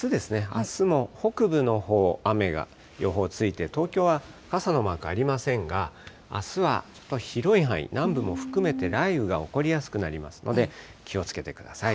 あすも北部のほう、雨が、予報ついて、東京は傘のマークありませんが、あすは広い範囲、南部も含めて雷雨が起こりやすくなりますので、気をつけてください。